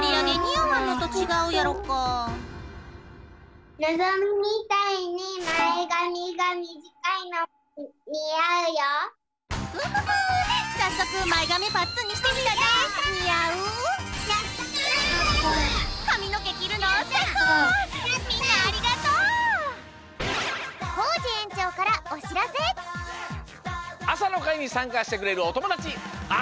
あさのかいにさんかしてくれるおともだちあつまれ！